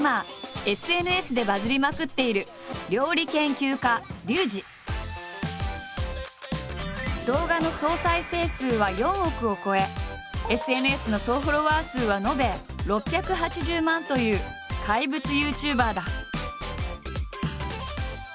今ＳＮＳでバズりまくっている動画の総再生数は４億を超えＳＮＳの総フォロワー数は延べ６８０万という怪物ＹｏｕＴｕｂｅｒだ。